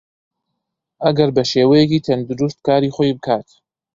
ئەگەر بەشێوەیەکی تەندروست کاری خۆی بکات